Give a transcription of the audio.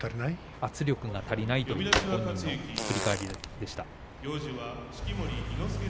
圧力が足りないという話の振り返りでした。